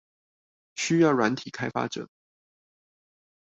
需要軟體開發者